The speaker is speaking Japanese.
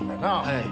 はい。